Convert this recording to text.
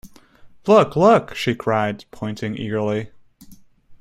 ‘Look, look!’ she cried, pointing eagerly.